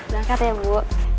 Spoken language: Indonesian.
langkat ya bu